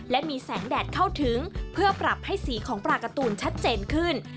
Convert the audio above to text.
และมีแสงแดดเข้าถึงเพื่อปรับให้สีของปลาการ์ตูนชัดเจนขึ้น